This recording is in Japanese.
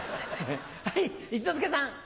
はい一之輔さん。